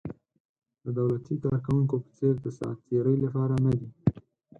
د دولتي کارکوونکو په څېر د ساعت تېرۍ لپاره نه دي.